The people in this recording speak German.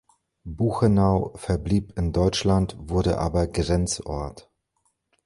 Buchenau verblieb in Deutschland, wurde aber Grenzort.